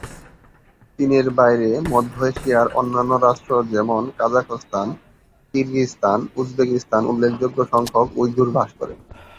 চীনের বাইরে মধ্য এশিয়ার অন্যান্য রাষ্ট্র যেমন কাজাখস্তান, কিরগিজস্তান, উজবেকিস্তানে উল্লেখযোগ্য সংখ্যক উইঘুর বাস করে।